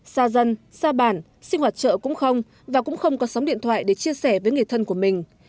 xa dân xa bản sinh hoạt chợ cũng không và cũng không có sóng điện thoại để chia sẻ với người thân của mình